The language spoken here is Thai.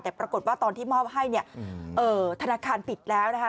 แต่ปรากฏว่าตอนที่มอบให้เนี่ยธนาคารปิดแล้วนะคะ